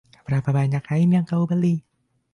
Berapa banyak kain yang kau beli?